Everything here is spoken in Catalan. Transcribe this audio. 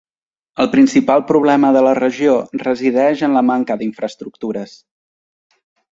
El principal problema de la regió resideix en la manca d'infraestructures.